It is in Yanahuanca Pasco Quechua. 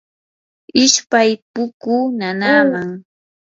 ishpay pukuu nanaaman.